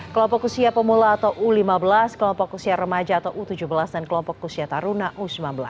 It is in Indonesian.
kelompok usia pemula atau u lima belas kelompok usia remaja atau u tujuh belas dan kelompok usia taruna u sembilan belas